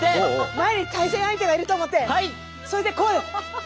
前に対戦相手がいると思ってそれで声を！